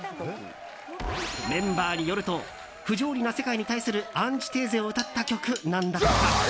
メンバーによると不条理な世界に対するアンチテーゼを歌った曲なんだとか。